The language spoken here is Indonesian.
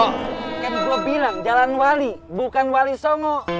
kan gue bilang jalan wali bukan wali songo